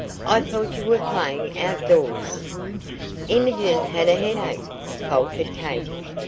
I thought you were playing out doors." "Imogen had a head ache," faltered Katy.